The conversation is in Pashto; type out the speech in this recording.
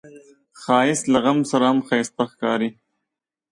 ښایست له غم سره هم ښايسته ښکاري